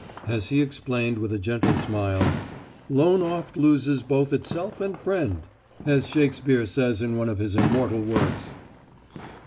As he explained, with a gentle smile, '"Loan oft loses both itself and friend," as Shakspeare says in one of his immortal works.'